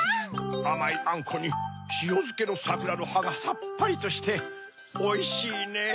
あまいあんこにしおづけのさくらのはがさっぱりとしておいしいねぇ。